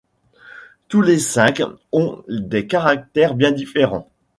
Tous les cinq ont des caractères bien différents.